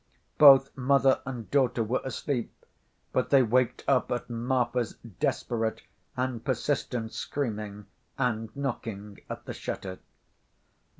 Both mother and daughter were asleep, but they waked up at Marfa's desperate and persistent screaming and knocking at the shutter.